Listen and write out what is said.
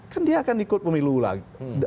kan dia akan ikut pemilu lagi